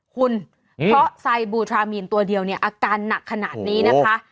คุณเพราะไซบูทรามีนตัวเดียวเนี่ยอาการหนักขนาดนี้นะคะ